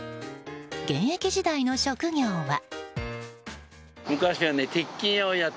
現役時代の職業は。